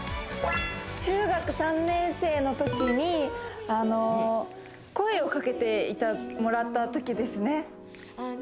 中学３年生のときに声をかけてもらったときですね